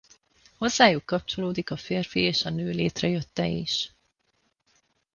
Hozzájuk kapcsolódik a férfi és a nő létrejötte is.